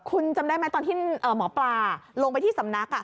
คุณจำได้ไหมตอนที่หมอปลาลงไปที่สำนัก